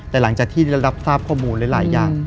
แต่หลังจากที่ได้รับทราบข้อมูลหลายอย่าง